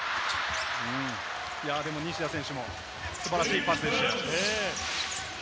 でも西田選手も素晴らしいパスでしたよ。